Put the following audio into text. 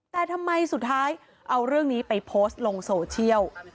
แต่ทำไมสุดท้ายเอาเรื่องนี้ไปโพสต์ลงโซเชียล